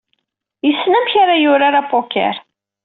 Yessen amek ara yurar apoker.